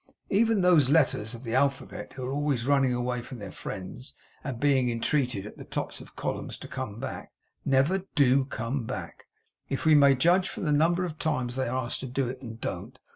Even those letters of the alphabet who are always running away from their friends and being entreated at the tops of columns to come back, never DO come back, if we may judge from the number of times they are asked to do it and don't.